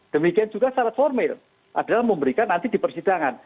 demikian juga syarat formil adalah memberikan nanti di persidangan